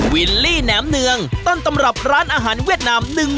วิลลี่แหนมเนืองต้นตำรับร้านอาหารเวียดนาม